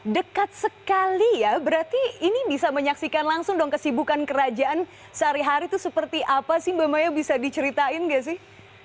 dekat sekali ya berarti ini bisa menyaksikan langsung dong kesibukan kerajaan sehari hari itu seperti apa sih mbak maya bisa diceritain gak sih